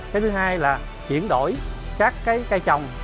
cái thứ hai là chuyển đổi các cái cây trồng